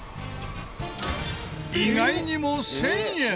意外にも１０００円。